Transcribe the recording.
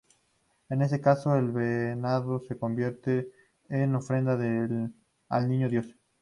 En este caso el venado se convierte en ofrenda al Niño Dios.